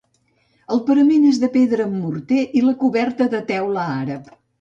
El parament és de pedra amb morter i la coberta de teula àrab.